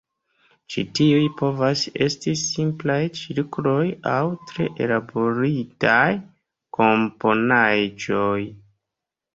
Ĉi tiuj povas esti simplaj cirkloj aŭ tre ellaboritaj komponaĵoj.